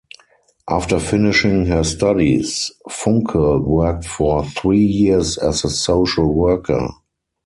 After finishing her studies, Funke worked for three years as a social worker.